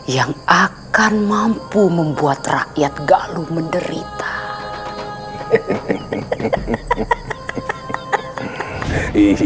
yang akan mampu membuat rakyat galu menderita hehehe hehehe hehehe